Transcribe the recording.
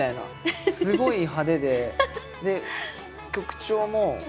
すごい派手でで曲調も歌詞も。